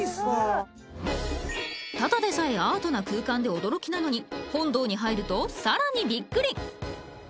ただでさえアートな空間で驚きなのに本堂に入ると更にびっくり！